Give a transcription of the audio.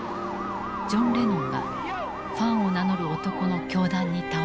ジョン・レノンがファンを名乗る男の凶弾に倒れた。